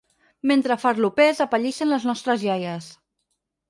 Mentre ‘farlopers’ apallissen les nostres iaies.